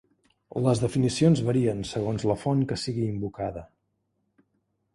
Les definicions varien segons la font que sigui invocada.